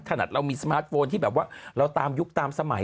ขนาดเรามีสมาร์ทโฟนที่แบบว่าเราตามยุคตามสมัย